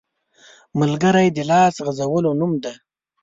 ملګری د لاس غځولو نوم دی